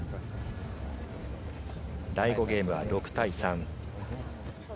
第５ゲームは６対３。